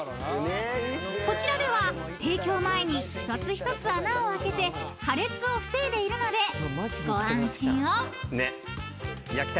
［こちらでは提供前に一つ一つ穴を開けて破裂を防いでいるのでご安心を］